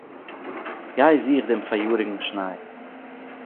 גיי זוך דעם פֿאַראַיאָריקן שניי.